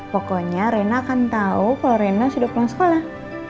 pokoknya rena kan tau kalau rena sudah pulang sekolah